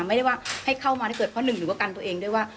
ไม่ได้ว่าให้เข้ามาถ้าเกิดเพราะหนึ่งหรือว่ากันตัวเองด้วยว่า